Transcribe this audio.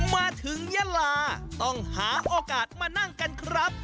มาถึงยะลาต้องหาโอกาสมานั่งกันครับ